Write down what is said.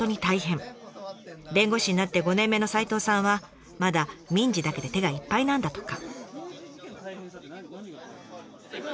弁護士になって５年目の齋藤さんはまだ民事だけで手がいっぱいなんだとか。